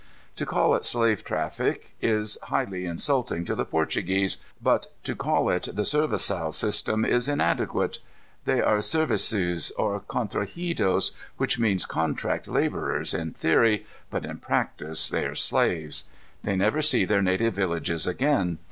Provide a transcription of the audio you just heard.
To call it slave traffic is highly insulting to the Portuguese, but to call it the servaçal system is inadequate. They are servaçaes, or contrahidos, which means contract laborers, in theory, but in practice they are slaves. They never see their native villages again.